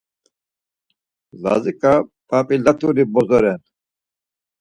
Lazika P̌ap̌ilaturi bozo ren.